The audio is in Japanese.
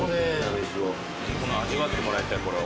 味わってもらいたいこれは。